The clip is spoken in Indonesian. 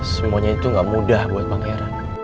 semuanya itu gak mudah buat pangeran